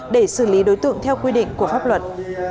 để xử lý đối tượng theo quy định của pháp luật